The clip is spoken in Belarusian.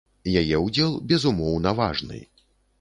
Яе ўдзел, безумоўна, важны.